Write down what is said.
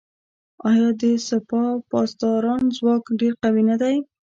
آیا د سپاه پاسداران ځواک ډیر قوي نه دی؟